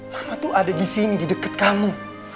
mama tuh ada disini di deket kamu